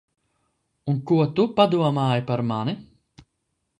Un ko tu padomāji par mani?